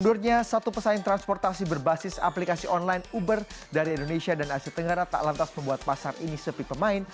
mundurnya satu pesaing transportasi berbasis aplikasi online uber dari indonesia dan asia tenggara tak lantas membuat pasar ini sepi pemain